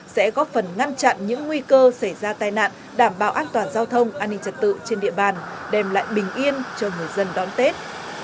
sẽ góp phần ngăn chặn những nguy cơ xảy ra tai nạn đảm bảo an toàn giao thông an ninh trật tự trên địa bàn đem lại bình yên cho người dân đón tết